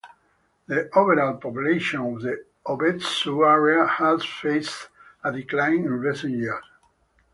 The overall population of the Hobetsu area has faced a decline in recent years.